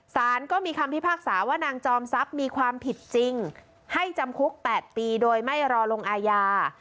สารก็มีคำพิพากษาว่านางจอมทรัพย์มีความผิดจริงให้จำคุก๘ปีโดยไม่รอลงอาญา